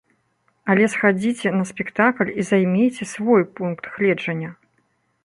Але схадзіце на спектакль і займейце свой пункт гледжання.